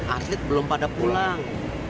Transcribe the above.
atlet belum pada pulang